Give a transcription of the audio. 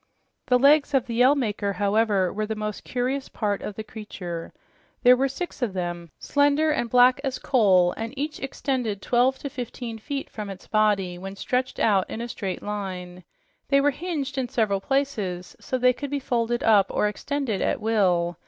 The legs of the Yell Maker, however, were the most curious part of the creature. There were six of them, slender and black as coal, and each extended twelve to fifteen feet from its body when stretched out in a straight line. They were hinged in several places so they could be folded up or extended at will.